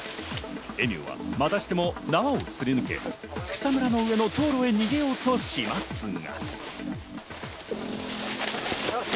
エミューはまたしても縄をすり抜け、草むらの上の道路へ逃げようとしますが。